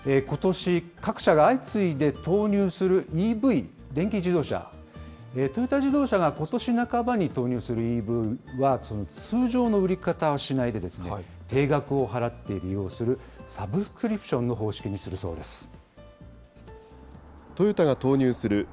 ことし、各社が相次いで投入するＥＶ・電気自動車、トヨタ自動車がことし半ばに投入するＥＶは、通常の売り方はしないで、定額を払って利用するサブスクリプションの方式にするそうです。